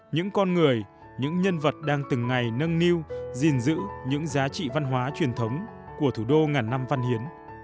những con người những nhân vật đang từng ngày nâng niu gìn giữ những giá trị văn hóa truyền thống của thủ đô ngàn năm văn hiến